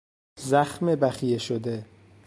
زخم بخیه شده